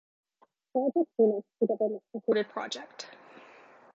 Project Phoenix is a government-supported project.